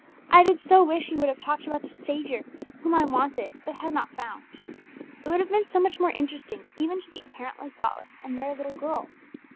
I did so wish he would have talked about the Saviour, whom I wanted, but had not found. It would have been so much more interesting even to the apparently thoughtless and merry little girl.